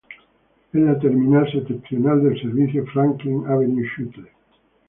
Es la terminal septentrional del servicio Franklin Avenue Shuttle.